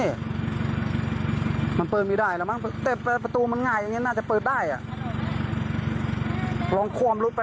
เนี่ยตะเบียนรถครับตะเบียนรถเอ